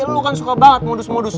lu kan suka banget modus modus